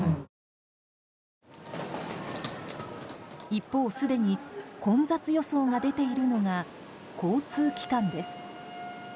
一方、すでに混雑予想が出ているのが交通機関です。